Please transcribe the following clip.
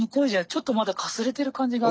ちょっとまだかすれてる感じがあって。